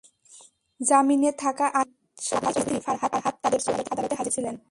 জামিনে থাকা আসামি সাকা চৌধুরীর স্ত্রী ফারহাত কাদের চৌধুরী আদালতে হাজির ছিলেন।